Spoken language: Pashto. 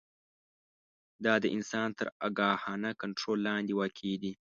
دا د انسان تر آګاهانه کنټرول لاندې واقع دي.